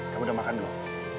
kamu udah makan belum